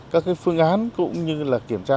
các phương án cũng như kiểm tra